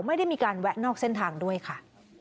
ไม่ได้มีการแวะนอกเส้นทางด้วยค่ะ